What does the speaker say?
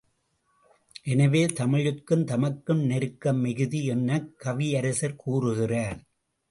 எனவே, தமிழுக்கும் தமக்கும் நெருக்கம் மிகுதி எனக் கவியரசர் கூறுகிறார்.